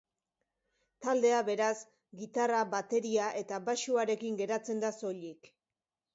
Taldea beraz, gitarra, bateria eta baxuarekin geratzen da soilik.